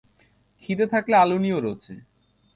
খিদে থাকলে আলুনিও রোচে।